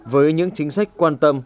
với những chính sách quan tâm